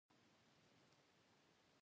جاهل انسان رونډ غوندي وي